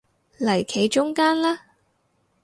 嚟企中間啦